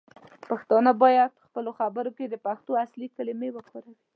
پښتانه باید پخپلو خبرو کې د پښتو اصلی کلمې وکاروي.